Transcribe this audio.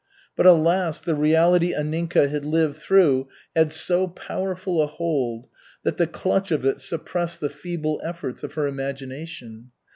But alas, the reality Anninka had lived through had so powerful a hold, that the clutch of it suppressed the feeble efforts of her imagination.